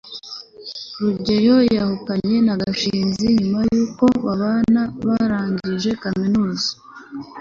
rugeyo yahukanye na gashinzi nyuma yuko abana barangije kaminuza